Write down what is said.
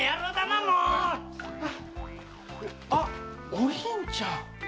お凛ちゃん。